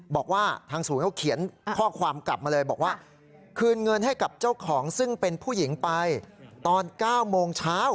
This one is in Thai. บอกว่าทางศูนย์เขาเขียนข้อความกลับมาเลยบอกว่าคืนเงินให้กับเจ้าของซึ่งเป็นผู้หญิงไปตอน๙โมงเช้า